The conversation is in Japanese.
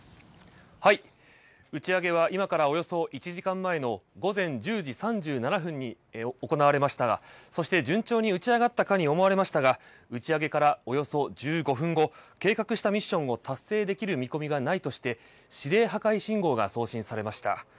打ち上げは今からおよそ１時間前の午前１０時３７分に行われましたがそして順調に打ち上がったかに思えましたが打ち上げからおよそ１５分後計画したミッションを達成できる見込みがないとして指令破壊信号が送信されました。